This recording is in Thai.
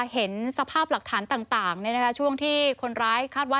เห็นสภาพหลักฐานต่างช่วงที่คนร้ายคาดว่า